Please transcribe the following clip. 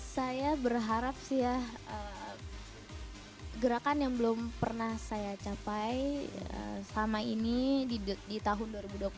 saya berharap sih ya gerakan yang belum pernah saya capai selama ini di tahun dua ribu dua puluh satu